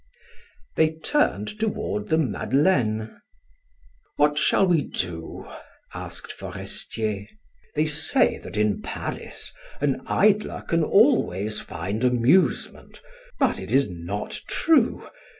They turned toward the Madeleine. "What shall we do?" asked Forestier. "They say that in Paris an idler can always find amusement, but it is not true.